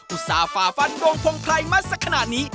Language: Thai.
อุตส่าห์ฝาฟันโรงพงไพรมาสักขนาดนี้